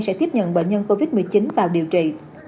sẽ tiếp nhận bệnh nhân covid một mươi chín vào điều trị